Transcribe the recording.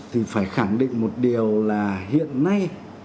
thì phải khẳng định một điều là hiện nay